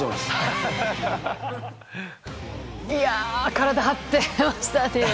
体張ってましたね。